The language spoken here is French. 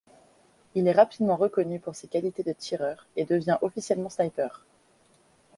Il est rapidement reconnu pour ses qualités de tireur et devient officiellement sniper.